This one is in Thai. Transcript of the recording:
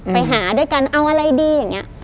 ไปหาด้วยกันเอาอะไรดีอย่างนี้